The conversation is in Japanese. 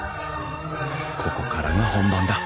ここからが本番だ。